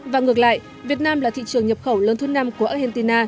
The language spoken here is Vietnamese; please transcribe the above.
và ngược lại việt nam là thị trường nhập khẩu lớn thứ năm của argentina